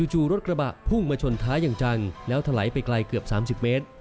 จู่รถกระบะพุ่งมาชนท้ายอย่างจังแล้วถลายไปไกลเกือบ๓๐เมตร